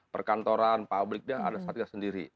perkantoran pabrik dia harus ada satgas sendiri